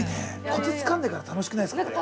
コツつかんでから楽しくないですか、これ。